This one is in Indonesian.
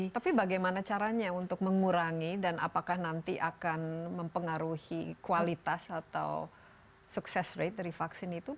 tapi bagaimana caranya untuk mengurangi dan apakah nanti akan mempengaruhi kualitas atau sukses rate dari vaksin itu